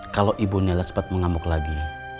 kalau ibu nella sempat mengamuk lagi